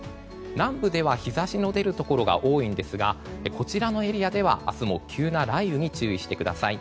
南部では日差しの出るところが多いんですがこちらのエリアでは明日も急な雷雨に注意してください。